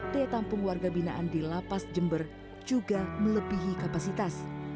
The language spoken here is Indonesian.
daya tampung warga binaan di lapas jember juga melebihi kapasitas